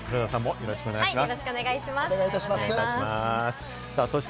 よろしくお願いします。